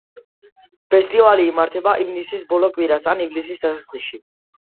ფესტივალი იმართება ივნისის ბოლო კვირას ან ივლისის დასაწყისში.